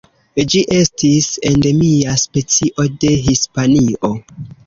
Ĝi estis endemia specio de Hispanio.